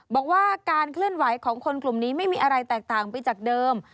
บอกว่าการเคลื่อนไหวของคนกลุ่มนี้ไม่มีอะไรแตกต่างไปจากเดิม